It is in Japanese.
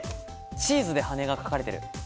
チーズで羽が書かれてる。